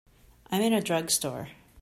I'm in a drugstore.